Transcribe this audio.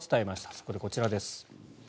そこでこちらです。